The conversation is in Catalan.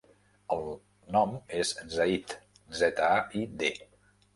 El nom és Zaid: zeta, a, i, de.